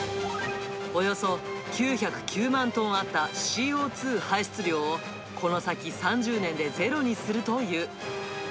およそ９０９万トンあったＣＯ２排出量を、この先３０年でゼロにするという。